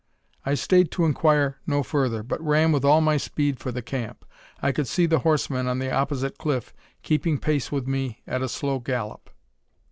I stayed to inquire no further, but ran with all my speed for the camp. I could see the horsemen on the opposite cliff keeping pace with me at a slow gallop.